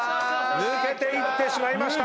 抜けていってしまいました！